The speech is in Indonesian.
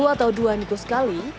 dua atau dua minggu sekali